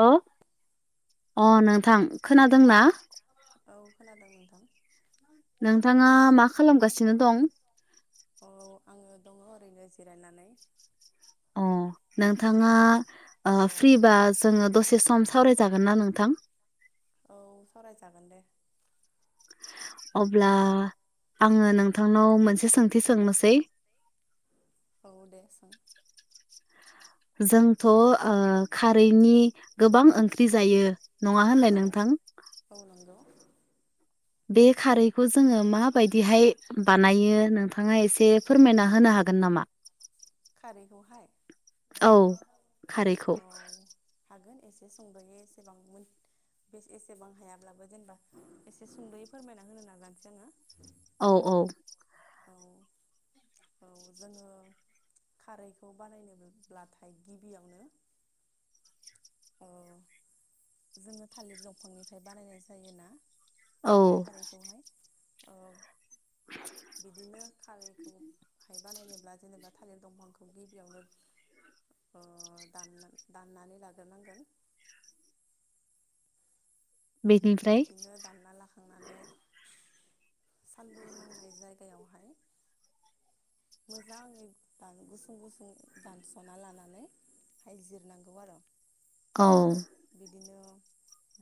हेल' अ नोंथां खोनादोंना? खोनादों नोंथां नोंथाङा मा खालामगासिनो दं? औ आङो दङ ओरैनो जिरायनानै। अ नोंथाङा ओ फ्रिबा जोङो दसे सम सावरायजागोन ना नोंथां? औ सावरायजागोन दे। अब्ला आङो नोंथांनाव मोनसे सोंथि सोंनोसै। औ दे सों। जोंथ'ओ खारैनि गोबां ओंख्रि जायो नङा होनलाय नोंथां? बे खारैखौ जोङो माबायदिहाय बानायो नोंथाङा एसे फोरमायना होनो हा गोन नामा? खारैखौहाय? औ खारैखौ। हागोन एसे सुंद'यो एसेबां मोन बे एसेबां हायाब्लाबो जेनेबा एसे सुंद'यै फोरमायना होनो नाजानोसै आङो। औ औ। औ जोङो खारैखौ बानायनोब्लाथाय गिबियावनो [inaudible] औ जोङो थालिर दंफांनिफ्राय बानायनाय जायो ना? खारैखौहाय बिदिनो खारैखौहाय बानायनोब्ला जेनेबा थालिर दंफांखौ गिबियावनो ओ दान दाननानै लाग्रोनांगोन। बिदिनो दानना लाखांनानै सान्दुं नांनाय जायगायावहाय मोजाङै दा गुसुं गुसुं दानस'ना लानानै हाय जिरनांगौ आरो बिदिनो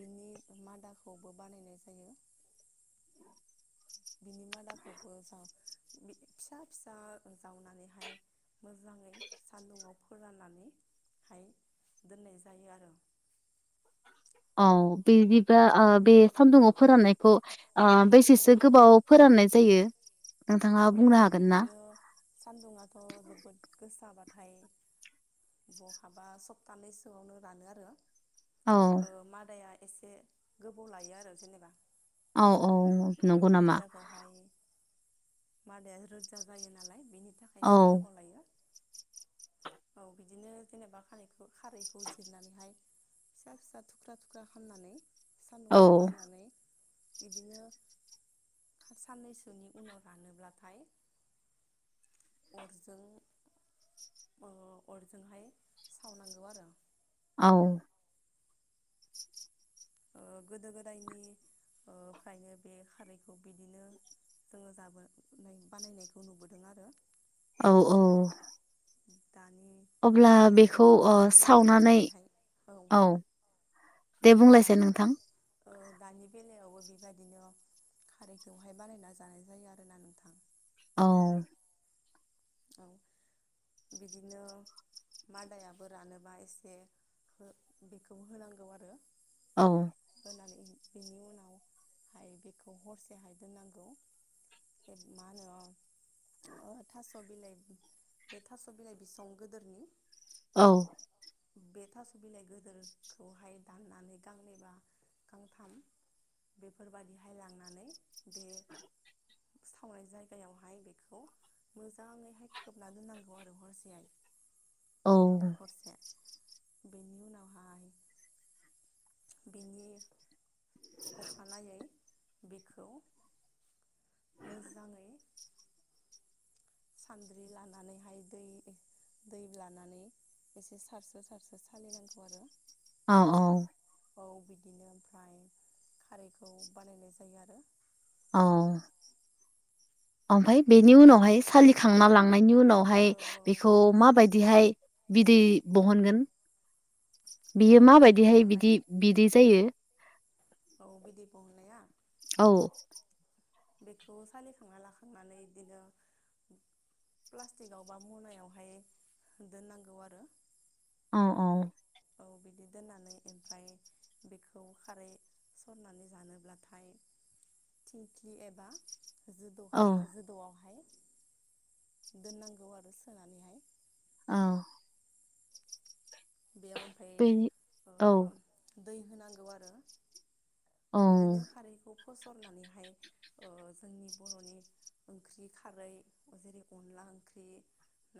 बिनि मादाखौबो बानायनाय जायो। बिनि मादाखौबो जा बि फिसा फिसा जावनानैहाय मोजाङै सान्दुंआव फोराननानैहाय दोननायहाय जायो आरो। औ बिदिबा ओ बे सान्दुङाव फोराननायखौ ओ बेसेसो गोबाव फोराननाय जायो? ओ बिदिनो सान्दुंङाथ' जोबोद गोसा जाबाथाय बहाबा सप्तानैसोआवनो रानो आरो। ओ मादाया एसे गोबाव लायो आरो जेनेबा। औ औ। मादाखौहाय मादाया रोदजा जायो नालाय बेनि थाखाय एसे गोबाव लायो। [inaudible] औ बिदिनो जेनेबा खानायखौ खारैखौ जिरनानैहाय फिसा फिसा थुख्रा थुख्रा खालामनानै सानदुंआव फोराननानै इदिनो खा साननैसोनि उनाव रानोब्लाथाय अरजों अ अरजोंहाय सावनांगौ आरो। औ। ओ गोदो गोदायनि ओ फ्रायनो बे खारैखौ बिदिनो जोङो जाबोनाय बानायनायखौ नुबोदों आरो। औ औ। अब्ला बेखौ ओ सावनानै औ दे बुंलायसाय नोंथां। दानि बेलायावबो बेबायदिनो खारैखौहाय बानायना जानाय जायो आरोना नोंथां। औ। औ बिदिनो मादायाबो रानोबा एसे बेखौ होनांगौ आरो औ हाय बेखौ हरसेहाय दोननांगौ। मा होनो अ थास बिलाइ बे थास' बिलाइ बिसं गोदोरनि औ बे थास' बिलाइ गोदोरखौहाय दाननानै गांनैबा गांथाम बेफोरबादिहाय लांनानै बे सावनाय जायगायावहाय बेखौ मोजाङैहाय खोबना दोननांगौ आरो हरसेहाय हरसे बेनि उनावहय बेनि अखानायै बेखौ मोजाङै सान्द्रि लानानैहाय दै दै लानानै एसे सारसो सारसो सालिनांगौ आरो औ औ औ बिदिनो ओमफ्राय खारैखौ बानायनाय जायो आरो औ ओमफ्राय बेनि उनावहाय सालिखांना लांनायनि उनाव वहाय बेखौ माबायदिहाय बिदै बहनगोन? बियो माबायदिहाय बिदि बिदै जायो। औ बिदै बहननाया। बेखौ सालिखांना लाखांनानै बिदिनो प्लास्टिकआव बा मनायावहाय दोननांगौ आरो उम उम औ बिदि दोननानै ओमफ्राय बेखौ खारै सरनानै जानोब्लाथाय थिंक्लि एबा जोदौहाय जोदौआवहाय दोननांगौ आरो सोनानैहाय। औ बेयाव ओ ओ दै होनांगौ आरो बिदिनो खारैखौ फसरनानैहाय ओ जोंनि बर'नि ओंख्रि खारै जेरै अनला ओंख्रि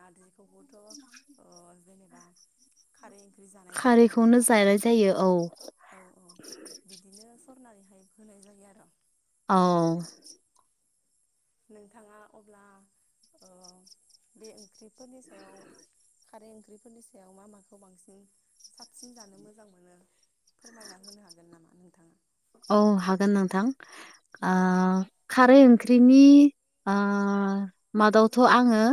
नारजिखौबोथ' ओ जेनेबा खारै ओंख्रि जानाय जायो नङा होमबा औ औ बिदिनो सरनानैहाय होनाय जायो आरो औ नोंथाङा अब्ला बे ओ ओंख्रिफोरनि सायाव खारै ओंख्रिफोरनि सायाव मा माखौ बांसिन साबसिन जानो मोजां मोनो। फोरमायना होनो हागोन नामा नों औ हागोन नोंथां खारै ओं खारै ओं ख्रिनि आ मादावथ' आङो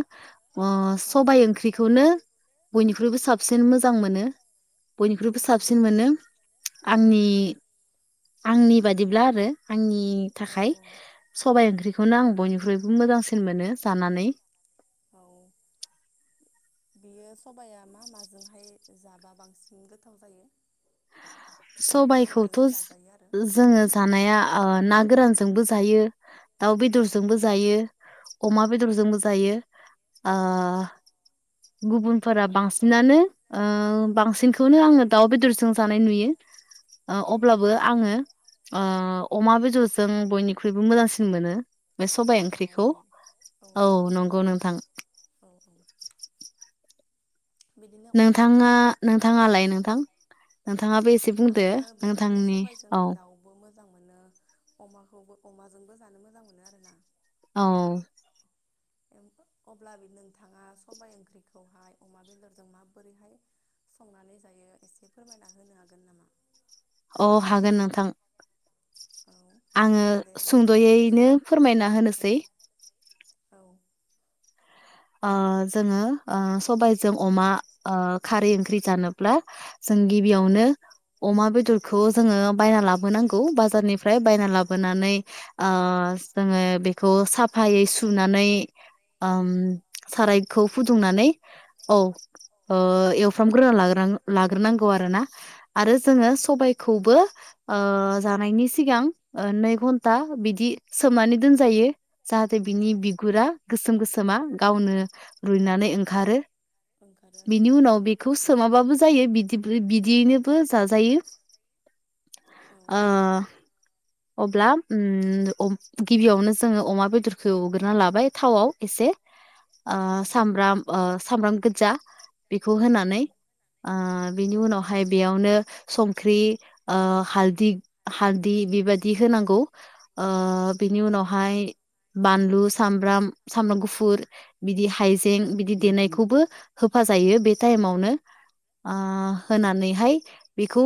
ओ सबाइ ओंख्रिखौनो बयनिख्रुइबो साबसिन मोजां मोनो। बयनिख्रुइबो साबसिन मोनो आंनि आंनि बादिब्ला आरो आंनि थाखाय सबाइ ओंख्रिखौनो आं बयनिख्रुइब बो मोजांसिन मोनो जानानै। बेयो सबाया मा माजोंहाय जाबा बांसिन गोथाव जायो? सबायाइखौथ' ज जोङो जानाया ओ ना गोरानजोंबो जायो। दाउ बेदरजोंबो जायो अमा बेदरजोंबो जायो। ओ गुबुनफोरा बांसिनानो ओ बांसिनखौनो आङो दाउ बेदरजों जानाय नु ओ अब्लाबो आङो। अ अमा बेदरजों बयनिख्रुइबो मोजांसिन मोनो। बे सबबाय ओंख्रिखौ। औ नंगौ नोंथां। नोंथाङा नोंथाङालाय नोंथां नोंथां। आंबो बिदिनो सबायजों दाउबो मोजां मोनो। अमाखौ खौबो अमाजोंबो जानो मोजां मोनो आरो ना। औ। अब्ला नोंथाङा सबाय ओंख्रिखौहाय अमा बेदरजों माबोरैहाय संनानै जायो एसे फोरमायना होनो हागोन नामा? अ हागोन नोंथां। आङो सुंद'यैनो फोरमायना होनोसै। औ। ओ जोङो ओ सबायजों अमा ओ खारै ओंख्रि जानोब्ला। सों गिबियावनो अमा बेदरखौ जोङो बायना लाबोनांगौ बाजारनिफ्राय बायना लाबोनानै ओ जोङो बेखौ साफायै सुनानै ओम सारायखौ फुदुंनानै औ ओ एवफ्रामग्रोन लाग लाग्रोनांगौ आरो। ना आरो जोङो सबायखौबो ओ जनि सिगां नै घन्टा बिदि सोमनानै दोनजायो जाहाथे बिनि बिगुरा गोसोम गोसोमा गावनो रुइनानै ओंखारो बिनि उनाव बेखौ सोमाबाबो जायो। बिदि बिदियैनोबो जाजायो। ओ अब्ला ओम अम गिबियावनो जोङो अमा बेदरखौ हगोरना लाबाय थावआव एसे ओ सामब्राम ओ सामब्राम गोजा बेखौ होनानै। ओ बेनि उनावहाय बेयावनो संख्रि हारदि हालदि बेबादि होनां नांगौ ओ बेनि उनावहाय बानलु सामब्राम सामब्रामगुफु गुफुर बिदि हाइजें बिदि देनायखौबो होफ जायो बे टाइमावनो। ओ होनानैहाय बेखौ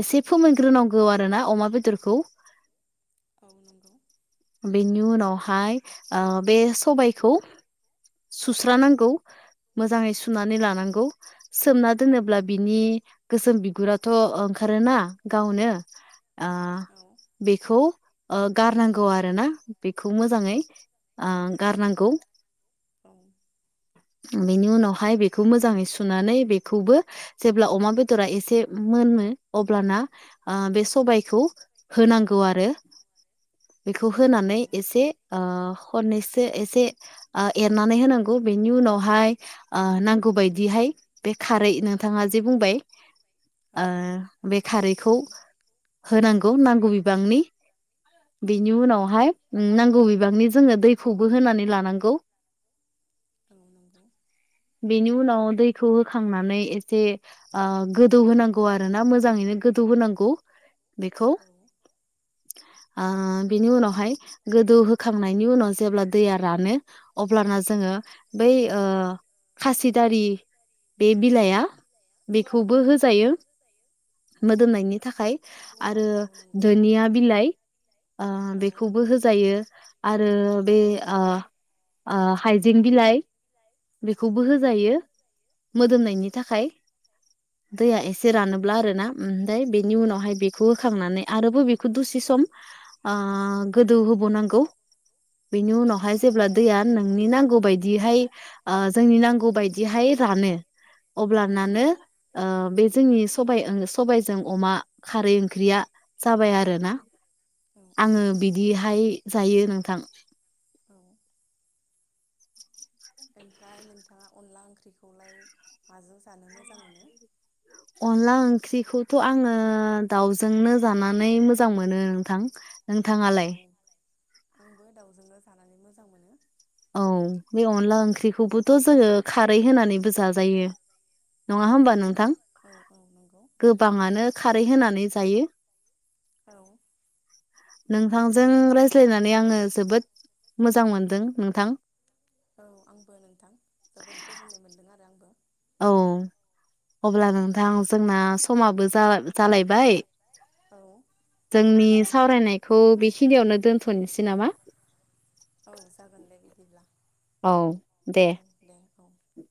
एसे फोमोनग्रोनांगौ आर ना अमा बेदर खौ [inaudible] औ नंगौ। बेनि उनावहाय ओ बे सबबायखौ सुस्र नांगौ। मोजाङै सुनानै लानांगौ सोमना दोनोब्ला बिनि गोसोम बिगुराथ' ओ ओंखारोना गावनो ओ बेखौ गारनांग गौ आरो ना बेखौ मोजाङै ओ गारनांगौ। औ बेनि उनावहाय बेखौ मोजाङै सुनानै बेखौबो जेब्ला अमा बेदरा एसे मो नो‌ अब्लाना बे सबबायखौ होनांगौ आरो बेखौ होनानै एसे ओ हननैसो एसे एरनानै होनांगौ बेनि ओ उनावहाय नांगौ बायदिहाय बे खारै नोंथाङा जे बुंबाय ओ बे खारैखौ होनांगौ नांगौ बिबांनि बिनि उनावहाय नांगौ बिबांनि जोङो दैखौबो होनानै लानांगौ। बेनि उनाव दैखौ होखांनानै एसे ओ गोदौ होनांगौ आरो ना मोजाङैनो गोदौ होनांगौ। बेखौ बिनि उनावहाय गोदौ होखांनायनि उनाव जेब्ला दैया रानो अब्लाना जोङो बै खासिदारि बे बिलाइआ बेखौबो होजायो मोदोमनायनि थाखाय आरो दुनिया बिलाइ ओ बेखौबो होजायो आरो बे ओ ओ हाइजें बिलाइ बेखौबो होजायो मोदोमनायनि थाखाय। दैया एसे रानोब्ला आरोना। ओमफ्राय बेनि उनावहाय बेखौ होखांनानै आरोबो बेखौ दुसे सम ओ गोदौ होबावोनांगौ बिनि उनावहाय जेब्ला दैया होन नोंनि नांगौ बायदिहाय जोंनि नांगौ बायदिहाय रानो। अब्लानानो बे जोंनि सबाइ सबाइजों अमा खारै ओंख्रिया जाबाय आरोना आङो बिदिहाय जायो नोंथां। औ [inaudible] ओमफ्राय नोंथाङा अनला ओंख्रिखौलाय माजों जानो मोजां मोनो? अनला ओंख्रिखौथ' आङो दाउजोंनो जानानै मोजां मोनो नोंथां। नोंथाङालाय? आंबो दाउजोंनो जानानै मोजां मोनो। औ बे अनला ओंख्रिखौबोथ' जोङो खार रै होनानैबो जाजायो नङा होमबा नोंथां? गोबाङानो खारै होनानै जायो। औ। नोंथांजों रायज्लायनानै आङो जोबोद मोजां मोनदों नोंथां। औ आंबो नोंथां जोबोद गोजोननाय मोन्दों आरो आंबो औ अब्ला नोंथां जोंना समाबो जाला-जालायबाय। जोंनि सावरायनायखौ बेखिनियावनो दोनथ'नोसै नामा? औ जागोन दे बिदिब्ला। औ दे। [inaudible]